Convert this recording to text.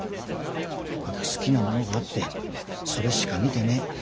ただ好きなものがあってそれしか見てねえ。